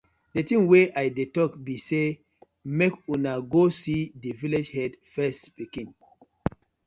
Di tin wey I dey tok bi say mek unu go see di villag head first pikin.